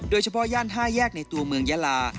โดยเฉพาะย่าน๕แยกในตัวเมืองยะลา